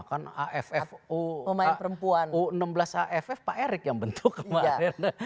kan affo u enam belas aff pak erick yang bentuk kemarin